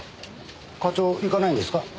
課長行かないんですか？